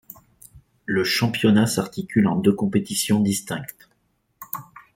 Le championnat s'articule en deux compétitions distinctes.